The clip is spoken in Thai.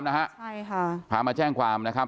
ใช่ค่ะพามาแจ้งความนะครับ